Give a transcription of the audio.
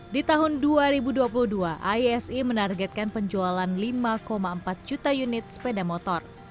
di tahun dua ribu dua puluh dua aisi menargetkan penjualan lima empat juta unit sepeda motor